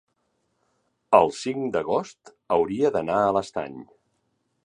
el cinc d'agost hauria d'anar a l'Estany.